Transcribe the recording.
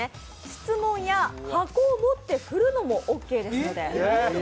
質問や箱を持って振るのもオーケーですので。